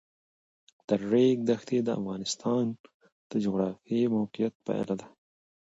د ریګ دښتې د افغانستان د جغرافیایي موقیعت پایله ده.